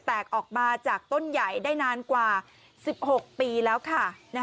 แตกออกมาจากต้นใหญ่ได้นานกว่า๑๖ปีแล้วค่ะ